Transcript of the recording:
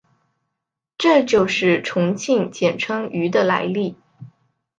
这就是重庆简称渝的来历。